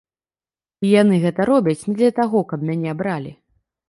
І яны гэта робяць не для таго, каб мяне абралі.